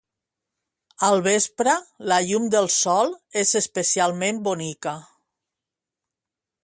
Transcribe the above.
Al vespre, la llum del sol és especialment bonica.